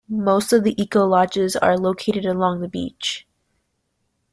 Most of the eco lodges are located along the beach.